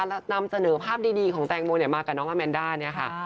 แล้วนำเสนอภาพดีของแตงโมมากับน้องอาแมนด้าเนี่ยค่ะ